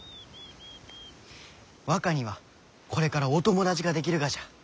若にはこれからお友達ができるがじゃ。